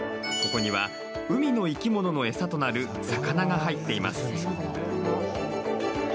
ここには海の生き物の餌となる魚が入っています。